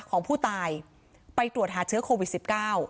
ของผู้ตายไปตรวจหาเชื้อโควิด๑๙